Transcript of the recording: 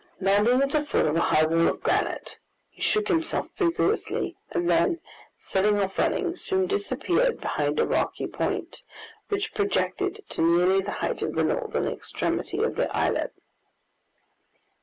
Landing at the foot of a high wall of granite, he shook himself vigorously; and then, setting off running, soon disappeared behind a rocky point, which projected to nearly the height of the northern extremity of the islet.